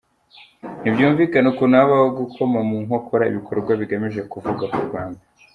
Ntibyumvikana ukuntu habaho gukoma mu nkokora ibikorwa bigamije kuvuga ku Rwanda.